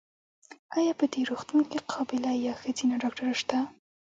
ایا په دي روغتون کې قابیله یا ښځېنه ډاکټره سته؟